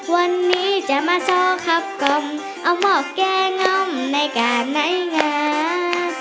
วันนี้จะมาซอครับกลมเอาหมอกแก้ง่อมในการในงาน